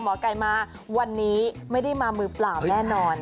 หมอไก่มาวันนี้ไม่ได้มามือเปล่าแน่นอน